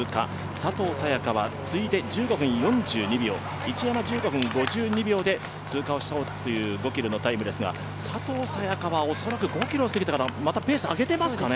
佐藤早也伽は次いで１５分４２秒、一山は１５分５２秒で通過をした５ｋｍのタイムですが、佐藤早也伽は恐らく５ｋｍを過ぎてからまたペースを上げていますかね。